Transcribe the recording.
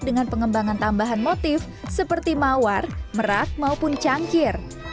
dengan pengembangan tambahan motif seperti mawar merak maupun cangkir